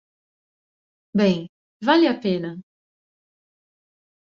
Bem, vale a pena.